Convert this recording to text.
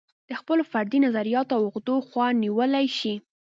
د خپلو فردي نظریاتو او عقدو خوا نیولی شي.